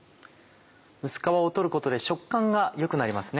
薄皮を取ることで食感が良くなりますね。